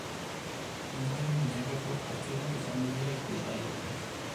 Ondoren, binakako partidak izango dira ikusgai.